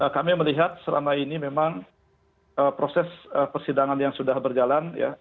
kami melihat selama ini memang proses persidangan yang sudah berjalan